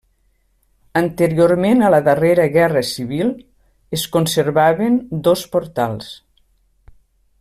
Anteriorment a la darrera guerra civil es conservaven dos portals.